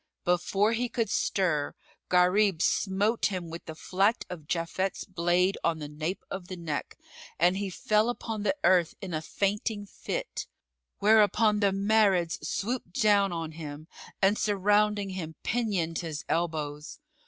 Before he could stir, Gharib smote him with the flat of Japhet's blade on the nape of the neck, and he fell upon the earth in a fainting fit; whereupon the Marids swooped down on him and surrounding him pinioned his elbows.